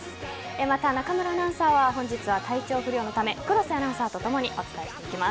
また中村アナウンサーは本日は体調不良のため黒瀬アナウンサーと共にお伝えします。